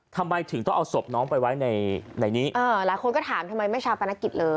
ทำไมถึงต้องเอาศพน้องไปไว้ในในนี้เออหลายคนก็ถามทำไมไม่ชาปนกิจเลย